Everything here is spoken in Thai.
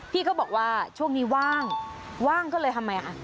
พี่เขาบอกว่าช่วงนี้ว่างว่างก็เลยทำไมอ่ะ